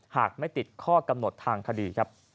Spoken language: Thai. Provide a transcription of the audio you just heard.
หากไม่ติดข้อกำหนดทางคดีครับ